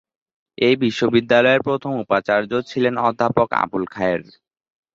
এই বিশ্ববিদ্যালয়ের প্রথম উপাচার্য ছিলেন অধ্যাপক আবুল খায়ের।